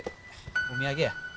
お土産や。